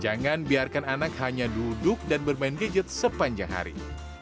jangan biarkan anak hanya duduk dan bermain gadget sepanjang hari